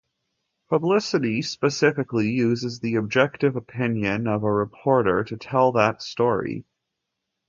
Publicity, specifically, uses the objective opinion of a reporter to tell that story.